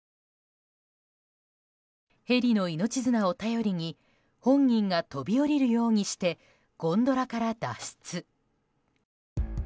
ヘリの命綱を頼りに本人が飛び降りるようにしてゴンドラから脱出。